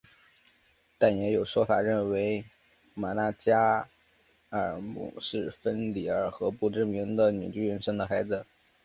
但也有说法认为玛纳加尔姆是芬里尔和不知名的女巨人生的孩子。